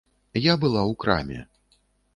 Я была ў краме.